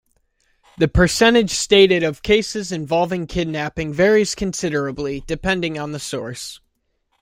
The percentage stated of cases involving kidnapping varies considerably, depending on the source.